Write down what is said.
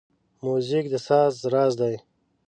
موزیک د ساز راز دی.